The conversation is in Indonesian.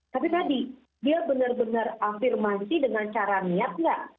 tapi tadi dia benar benar afirmasi dengan cara niat nggak